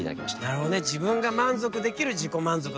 なるほどね自分が満足できる自己満足の方なんだね。